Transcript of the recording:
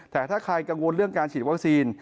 แต่ถ้าใครกังวลเรื่องการฉีดวัคซีน